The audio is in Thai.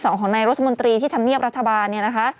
ของนายรัฐมนตรีที่ทำเนียบรัฐบาล